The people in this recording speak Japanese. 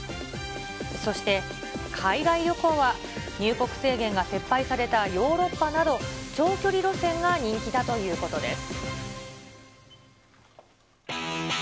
そして海外旅行は入国制限が撤廃されたヨーロッパなど、長距離路線が人気だということです。